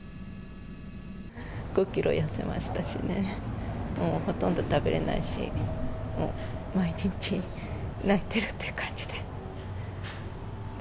５キロ痩せましたしね、ほとんど食べれないし、一日泣いてるっていう感じで。